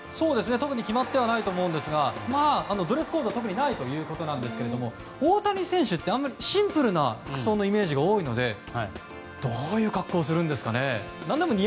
特に決まってはないと思うんですがドレスコードは特にないということですが大谷選手ってシンプルな服装のイメージが多いのでどういう格好をするんですかね。